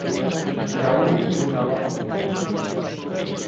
Raúl é un rapaz moi bo.